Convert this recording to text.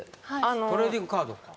トレーディングカードか。